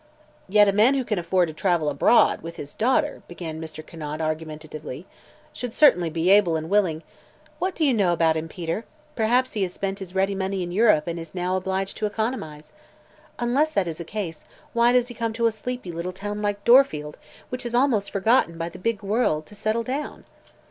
"Yet a man who can afford to travel abroad, with his daughter," began Mr. Conant, argumentatively, "should certainly be able and willing " "What do you know about him, Peter? Perhaps he has spent his ready money in Europe and is now obliged to economize. Unless that is the case, why does he come to a sleepy little town like Dorfield, which is almost forgotten by the big world, to settle down?"